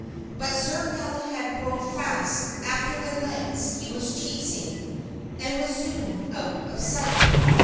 But Sir Galahad rode fast after the knights he was chasing and was soon out of sight.